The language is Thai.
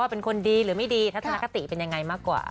เป็นคนดีหรือไม่ดีทัศนคติเป็นยังไงมากกว่า